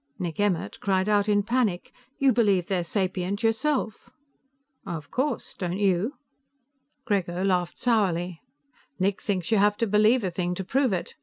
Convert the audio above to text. Nick Emmert cried out in panic. "You believe they're sapient yourself!" "Of course. Don't you?" Grego laughed sourly. "Nick thinks you have to believe a thing to prove it.